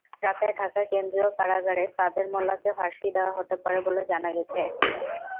রাতে ঢাকা কেন্দ্রীয় কারাগারে কাদের মোল্লাকে ফাঁসি দেওয়া হতে পারে বলে জানা গেছে।